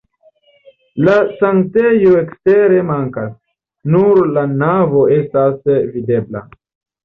La sanktejo ekstere mankas, nur la navo estas videbla.